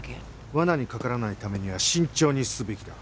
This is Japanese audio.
罠にかからないためには慎重にすべきだ。